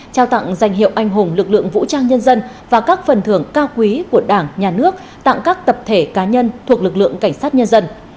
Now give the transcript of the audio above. trao tặng danh hiệu anh hùng lực lượng vũ trang nhân dân và các phần thưởng cao quý của đảng nhà nước tặng các tập thể cá nhân thuộc lực lượng cảnh sát nhân dân